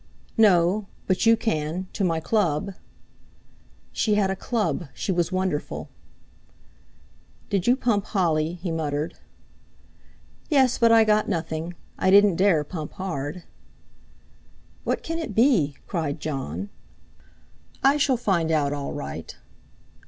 "No; but you can—to my Club." She had a Club; she was wonderful! "Did you pump Holly?" he muttered. "Yes, but I got nothing. I didn't dare pump hard." "What can it be?" cried Jon. "I shall find out all right."